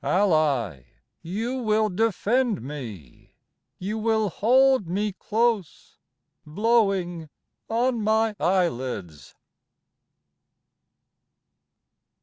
Ally, you will defend me You will hold me close, Blowing on my eyelids.